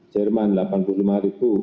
jerman delapan puluh lima ribu